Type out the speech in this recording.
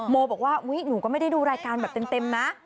โมบอกว่าอุ๊ยหนูก็ไม่ได้ดูรายการแบบเต็มนะ